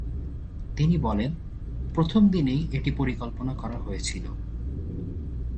তিনি বলেন, প্রথম দিনেই এটি পরিকল্পনা করা হয়েছিল।